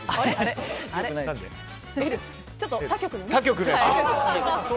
ちょっと他局のね。